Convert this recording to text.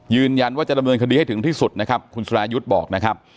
ยืนยันว่าจะดำเนินคดีให้ถึงที่สุดนะครับคุณสุรายุทธ์บอกนะครับ